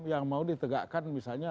yang mau ditegakkan misalnya